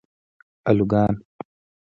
الوگان